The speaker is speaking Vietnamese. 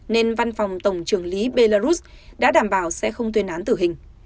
nên văn phòng tổng trưởng lý belarus đã đảm bảo sẽ không tuyên án tử hình